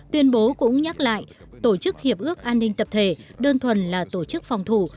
tuyên bố cũng nhắc lại tổ chức hiệp ước an ninh tập thể đơn thuần là tổ chức phòng thủ